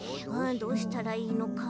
どうしたらいいのか。